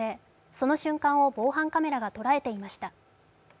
その瞬間を防犯カメラが捉えていました。